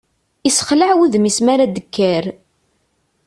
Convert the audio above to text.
Isexlaɛ wudem-is mi ara d-tekker.